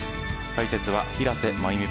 解説は平瀬真由美